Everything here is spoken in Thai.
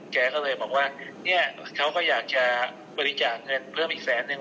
แกก็เลยบอกว่าเนี่ยเขาก็อยากจะบริจาคเงินเพิ่มอีกแสนนึง